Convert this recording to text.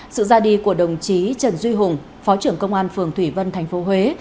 sự ra đi của đồng chí trần duy hùng phó trưởng công an phường thủy vân tp huế